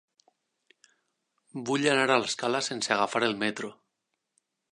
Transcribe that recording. Vull anar a l'Escala sense agafar el metro.